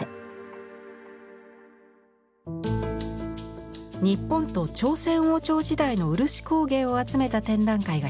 日本と朝鮮王朝時代の漆工芸を集めた展覧会が開かれています。